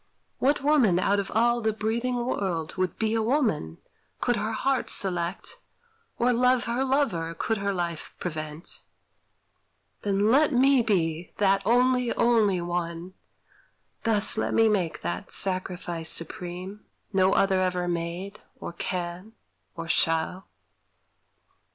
What woman out of all the breathing world Would be a woman, could her heart select, Or love her lover, could her life prevent? Then let me be that only, only one; Thus let me make that sacrifice supreme, No other ever made, or can, or shall.